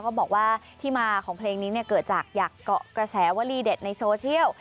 เขาบอกว่าที่มาของเพลงนี้เกิดจากอยากเกาะกระแสวลีเด็ดในโซเชียล